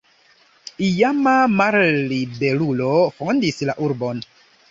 Iama malliberulo fondis la urbon.